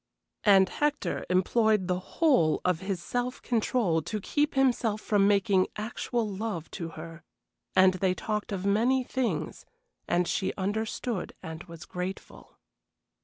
And Hector employed the whole of his self control to keep himself from making actual love to her, and they talked of many things, and she understood and was grateful.